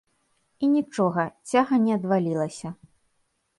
І нічога, цяга не адвалілася.